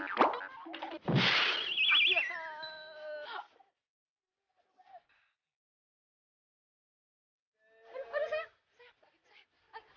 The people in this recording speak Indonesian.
aduh aduh sayang